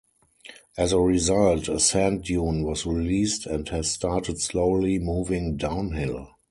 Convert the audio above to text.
As a result, a sand dune was released and has started slowly moving downhill.